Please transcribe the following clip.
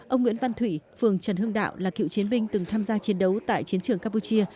ông nguyễn văn thủy phường trần hương đạo là cựu chiến binh từng tham gia chiến đấu tại chiến trường campuchia